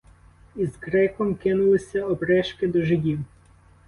Із криком кинулися опришки до жидів.